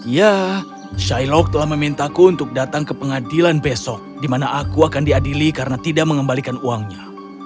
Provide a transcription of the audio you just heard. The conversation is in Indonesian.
ya shailoh telah memintaku untuk datang ke pengadilan besok di mana aku akan diadili karena tidak mengembalikan uangnya